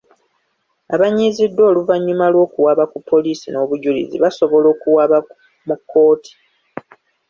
Abanyiiziddwa oluvannyuma lw'okuwaaba ku poliisi n'obujulizi basobola okuwaaba mu kkooti.